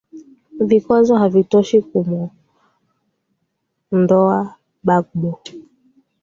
vikwazo havitoshi kumuondoa bagbo